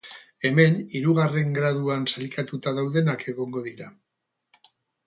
Hemen, hirugarren graduan sailkatuta daudenak egongo dira.